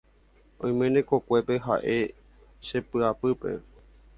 oiméne kokuépe ha'e che py'apýpe